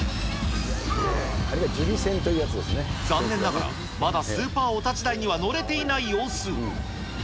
残念ながら、まだスーパーお立ち台には乗れていない様子。